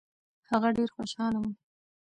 هغه ډېر خوشاله و.